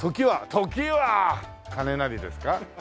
「時は金なり」ですか？